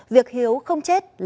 việc hiếu không chết là ngoài ý thức